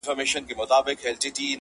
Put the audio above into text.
• زما پر خاوره زېږېدلی بیرغ غواړم -